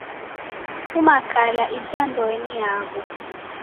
Kufuma kala ija ndoe ni yaw'o.